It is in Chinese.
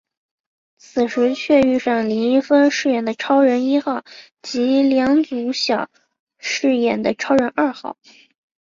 此时却遇上林一峰饰演的超人一号及梁祖尧饰演的超人二号。